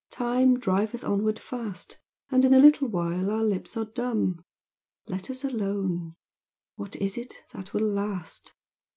Time driveth onward fast And in a little while our lips are dumb, Let us alone. What is it that will last?